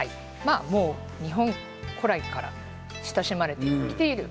日本古来から親しまれてきている